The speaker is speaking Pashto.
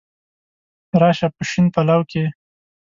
را شه په شین پلو کي